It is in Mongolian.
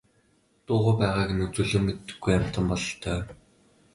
Дуугүй байгааг нь үзвэл юм мэддэггүй амьтан бололтой.